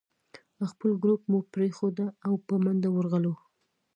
خپل ګروپ مو پرېښود او په منډه ورغلو.